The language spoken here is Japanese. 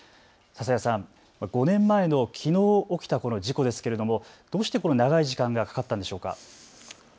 笹谷さん、５年前のきのう起きたこの事故ですけれどもの長い時間がかかったんでしょうか。